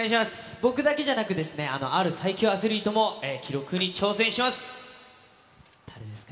僕だけじゃなくて、ある最強アスリートも、記録に挑戦します。